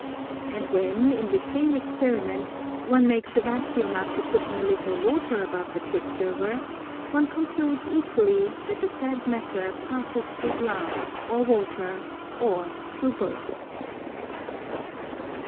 And when, in the same experiment, one makes the vacuum after putting a little water above the quicksilver, one concludes equally that the said matter passes through glass or water, or through both.